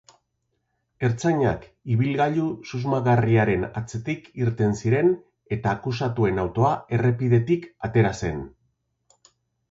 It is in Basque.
Ertzainak ibilgailu susmagarriaren atzetik irten ziren eta akusatuen autoa errepidetik atera zen.